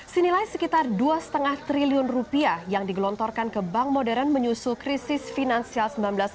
senilai sekitar dua lima triliun rupiah yang digelontorkan ke bank modern menyusul krisis finansial seribu sembilan ratus sembilan puluh